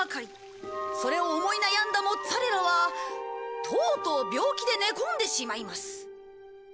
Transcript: それを思い悩んだモッツァレラはとうとう病気で寝込んでしまいます。